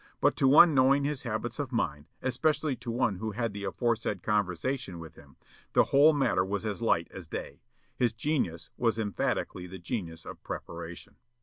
But to one knowing his habits of mind, especially to one who had the aforesaid conversation with him, the whole matter was as light as day. His genius was emphatically the genius of preparation."